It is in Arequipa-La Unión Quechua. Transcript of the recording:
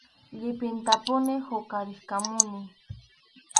Llipintapuni huqarirqamuni.